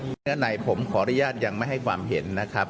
ด้านในผมขออนุญาตยังไม่ให้ความเห็นนะครับ